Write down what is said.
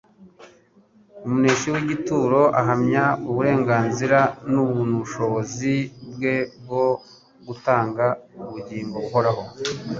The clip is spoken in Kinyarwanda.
umuneshi w'igituro, ahamya uburenganzira n'ubushobozi bwe bwo gutanga ubugingo buhoraho.